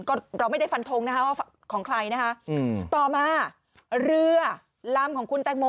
ก็เราไม่ได้ฟันทงนะคะว่าของใครนะคะอืมต่อมาเรือลำของคุณแตงโม